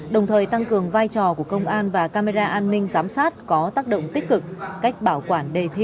đồng thời tăng cường vai trò của công an và camera an ninh giám sát